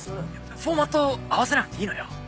フォーマット合わせなくていいのよ。